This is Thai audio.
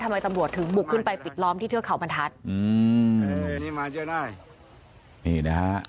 ทำไมตำรวจถึงบุกขึ้นไปปิดล้อมที่เทือกเขาบรรทัศน์อืมเออนี่มาจะได้นี่นะฮะ